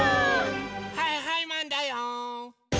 はいはいマンだよ！